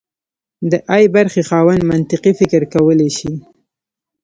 د ای برخې خاوند منطقي فکر کولی شي.